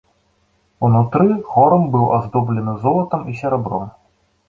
Унутры хорам быў аздоблены золатам і серабром.